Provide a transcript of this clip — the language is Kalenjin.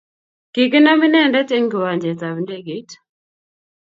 kikinam inendet eng kiwanjet ab ndegeit